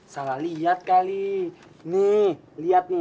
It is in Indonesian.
salah lihat kali nih lihat nih